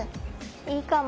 いいかも。